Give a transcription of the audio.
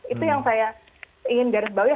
itu yang saya ingin garis bawah